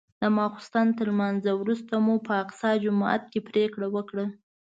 د ماسختن تر لمانځه وروسته مو په اقصی جومات کې پرېکړه وکړه.